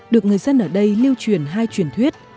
được người dân ở đây lưu truyền hai truyền thuyết